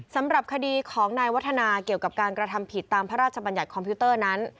สำหรับคดีของนายวัฒนาเกี่ยวกับการกระทำผิดตามพระราชบัญญัติคอมพิวเตอร์นั้น